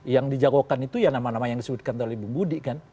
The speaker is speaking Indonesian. yang dijagokan itu ya nama nama yang disebutkan oleh bung budi kan